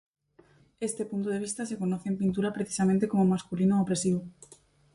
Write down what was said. Este punto de vista se conoce en pintura precisamente como "masculino-opresivo".